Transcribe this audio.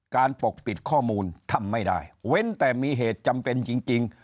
ปกปิดข้อมูลทำไม่ได้เว้นแต่มีเหตุจำเป็นจริง